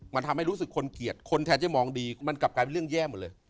มาทำให้รู้สึกคนเกียรติคนแทนว่ามองดีก็กลับกลายอีกเรื่องแย่หมดเลย